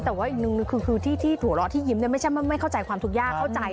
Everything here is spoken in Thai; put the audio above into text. แต่อีกหนึ่งคือที่ถั่วรอที่ยิ้มไม่ใช่ว่าเข้าใจความทุกข์ยากเข้าใจ